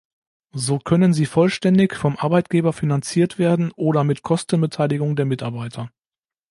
So können sie vollständig vom Arbeitgeber finanziert werden oder mit Kostenbeteiligung der Mitarbeiter.